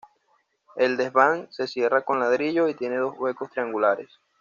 El desván se cierra con ladrillo y tiene dos huecos triangulares.